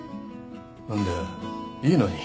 何だよいいのに。